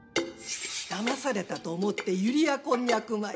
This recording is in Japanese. だまされたと思ってユリヤこんにゃく米